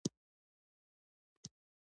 په هر حال دا یوه کورنۍ جګړه وه.